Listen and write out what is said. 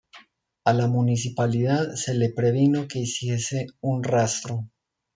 A la municipalidad se le previno que hiciese un rastro.